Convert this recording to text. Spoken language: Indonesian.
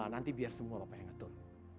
nanti biar semua bapak yang ngatur